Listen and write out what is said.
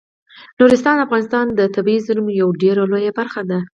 نورستان د افغانستان د طبیعي زیرمو یوه ډیره لویه برخه ده.